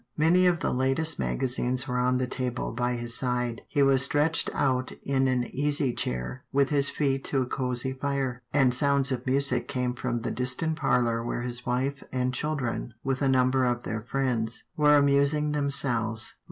Many of the latest magazines were on the table by his side. He was stretched out in an easy chair with his feet to a cozy fire, and sounds of music came from the distant parlour where his wife and children with a number of their friends were amus ing themselves.